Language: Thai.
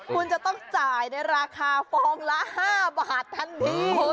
คุณจะต้องจ่ายในราคาฟองละ๕บาททันที